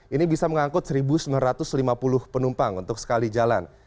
ini bisa mengangkut satu sembilan ratus lima puluh penumpang untuk sekali jalan